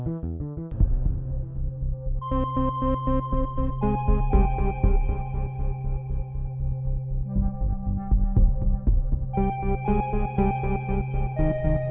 kau konsumasi itu mana juga